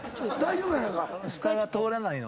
下が通らないの？